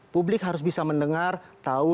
publik harus bisa mendengar tahu